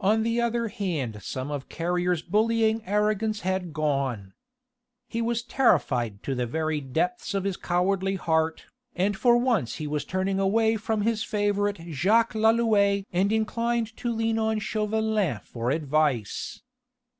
On the other hand some of Carrier's bullying arrogance had gone. He was terrified to the very depths of his cowardly heart, and for once he was turning away from his favourite Jacques Lalouët and inclined to lean on Chauvelin for advice.